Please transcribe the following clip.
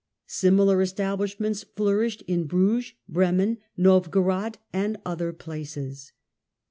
Similar establishments flourished in Bruges, Bremen, Novgorod and other places.